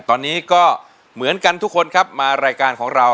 ตอนนี้ก็เหมือนกันทุกคนครับมารายการของเรา